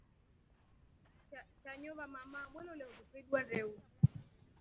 Shanyo vamama mwelolia ndusha idua ndeu.